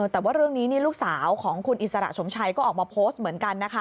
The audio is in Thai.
แต่ว่าเรื่องนี้ลูกสาวของคุณอิสระสมชัยก็ออกมาโพสต์เหมือนกันนะคะ